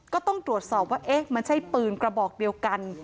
ก็ต้องตรวจสอบว่าเอ๊ะมันใช่ปืนกระบอกเดียวกัน